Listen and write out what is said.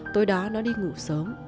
tối đó nó đi ngủ sớm